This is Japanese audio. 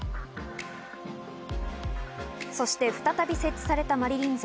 そして再び設置されたマリリン像。